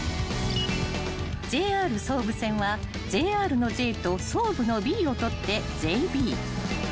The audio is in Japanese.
［ＪＲ総武線は「ＪＲ」の「Ｊ」と「総武」の「Ｂ」を取って「ＪＢ」］